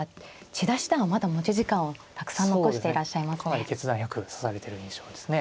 かなり決断よく指されてる印象ですね。